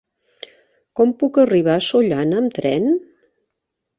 Com puc arribar a Sollana amb tren?